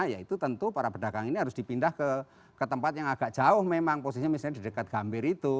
ya itu tentu para pedagang ini harus dipindah ke tempat yang agak jauh memang posisinya misalnya di dekat gambir itu